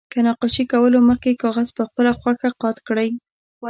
له نقاشي کولو مخکې کاغذ په خپله خوښه قات کړئ.